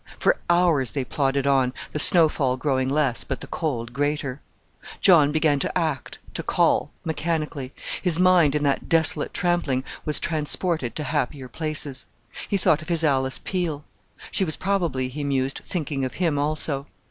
For hours they plodded on, the snowfall growing less, but the cold greater. John began to act, to call, mechanically. His mind in that desolate trampling was transported to happier places. He thought of his Alice Peel. She was probably, he mused, thinking of him also.